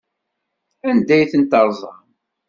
Anda ay ten-terẓam?